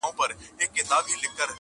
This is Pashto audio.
• ژوند د ازموينو لړۍ ده..